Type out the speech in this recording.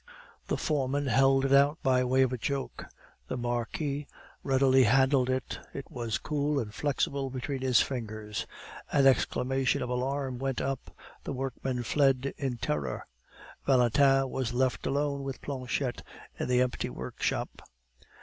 The foreman held it out by way of a joke. The Marquis readily handled it; it was cool and flexible between his fingers. An exclamation of alarm went up; the workmen fled in terror. Valentin was left alone with Planchette in the empty workshop.